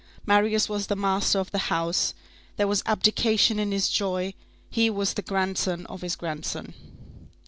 Marius was the master of the house, there was abdication in his joy, he was the grandson of his grandson.